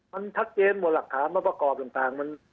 มันชัดเจนหมดหลักฐานมาประกอบต่าง